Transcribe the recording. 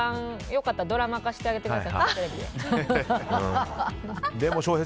良かったらドラマ化してあげてください。